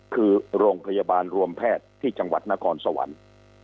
คือโรงพยาบาลรวมแพทย์ที่จังหวัดนครสวรรค์